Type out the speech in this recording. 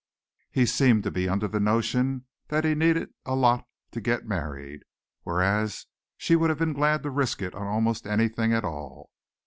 He seemed to be under the notion that he needed a lot to get married, whereas she would have been glad to risk it on almost anything at all.